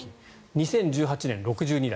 ２０１８年、６２台。